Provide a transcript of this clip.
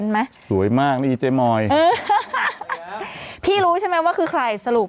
ไหมสวยมากแล้วเอ่ยเจ้ยหมอยหือพี่รู้ใช่ไหมว่าคือใครสรุป